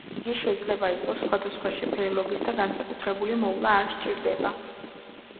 იგი შეიძლება იყოს სხვადასხვა შეფერილობის და განსაკუთრებული მოვლა არ სჭირდება.